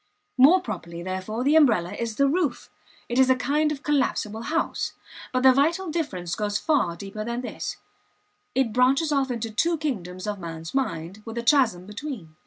More properly, therefore, the umbrella is the roof; it is a kind of collapsible house. But the vital difference goes far deeper than this; it branches off into two kingdoms of man's mind, with a chasm between.